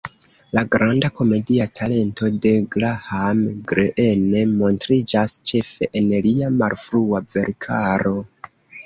La granda komedia talento de Graham Greene montriĝas ĉefe en lia malfrua verkaro.